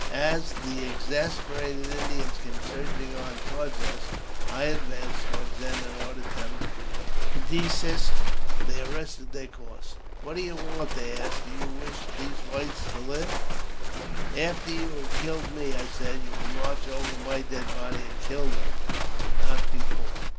As the exasperated Indians came surging on toward us, I advanced toward them, and ordered them to desist. They arrested their course: ''What do you want?" they asked ;" do you wish those whites to live ?"" After you have killed me," I said, " you can march over my dead body and kill them, but not before."